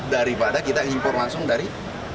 daripada kita impor langsung dari